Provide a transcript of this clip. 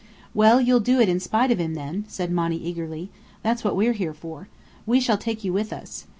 "Well, you'll do it in spite of him then," said Monny eagerly. "That's what we're here for. We shall take you with us.